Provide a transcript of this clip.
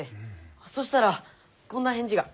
そしたらこんな返事が。